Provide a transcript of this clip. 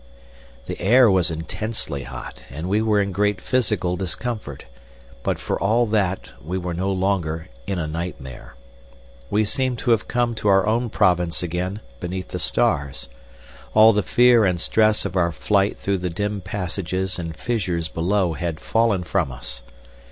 The air was intensely hot, and we were in great physical discomfort, but for all that we were no longer in a nightmare. We seemed to have come to our own province again, beneath the stars. All the fear and stress of our flight through the dim passages and fissures below had fallen from us.